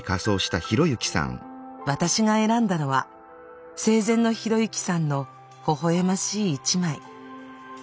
私が選んだのは生前の啓之さんのほほ笑ましい一枚。